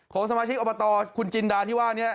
ของสมาชิกอบตคุณจินดาที่ว่านี้